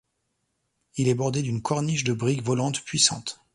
Il est bordé d'une corniche de briques volantes puissantes.